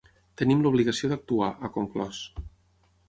Tenim l’obligació d’actuar, ha conclòs.